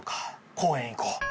公園行こう。